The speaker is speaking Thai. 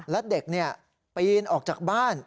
และเด็กปีนออกจากบ้าน